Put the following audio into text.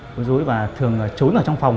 bối rối và thường trốn ở trong phòng